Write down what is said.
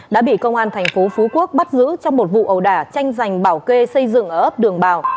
đã bị công an thành phố phú quốc bắt giữ trong một vụ ẩu đả tranh giành bảo kê xây dựng ở ấp đường bào